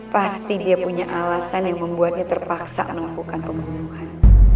pasti dia punya alasan yang membuatnya terpaksa melakukan pembunuhan